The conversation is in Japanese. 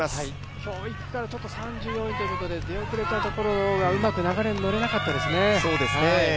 今日１区から３４位というところで出遅れたところがうまく流れにのれなかったですね。